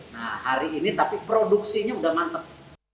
nah hari ini tapi produksinya sudah mantap